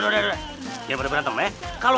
yang duluan capesan keren kemah anda